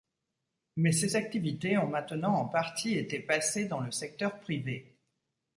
Mais ces activités ont maintenant en partie été passées dans le secteur privé.